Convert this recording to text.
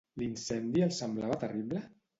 L'incendi els semblava terrible?